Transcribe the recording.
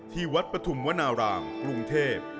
ที่วัดปฐุมวนารามกรุงเทพ